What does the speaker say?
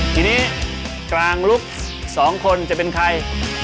ทีนี้กลางลุก๒คนจะเป็นใคร